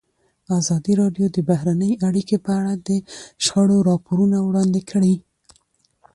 ازادي راډیو د بهرنۍ اړیکې په اړه د شخړو راپورونه وړاندې کړي.